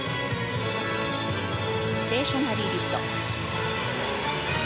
ステーショナリーリフト。